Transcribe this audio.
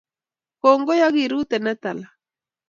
kongoi akiruten netala